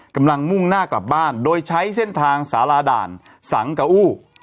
มุ่งหน้ากลับบ้านโดยใช้เส้นทางสาราด่านสังกะอู้